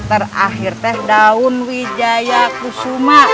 terakhir teh daun wijaya kusuma